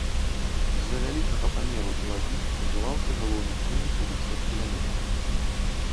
З-за вялікага памеру і вагі, ўжываўся галоўным чынам у ручных кулямётах.